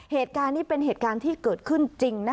เหตุการณ์นี้เป็นเหตุการณ์ที่เกิดขึ้นจริง